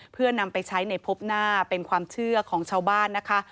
เพื่อนำไปใช้ในพบหน้าเป็นความเชื่อของชาวบ้านนะคะ